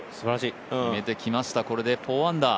決めてきました、これで４アンダー。